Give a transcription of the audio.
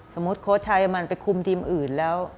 สมมุติโค้ชชาวเยอรมันไปคุมทีมอื่นแล้ว